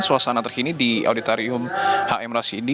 suasana terkini di auditorium hm rashidi